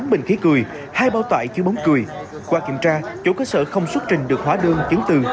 tám bình khí cười hai bao tải chứa bóng cười qua kiểm tra chỗ cơ sở không xuất trình được hóa đơn chứng từ